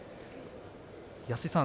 安井さん